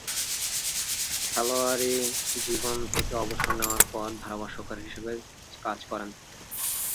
খেলোয়াড়ী জীবন থেকে অবসর নেয়ার পর ধারাভাষ্যকার হিসেবে কাজ করেন।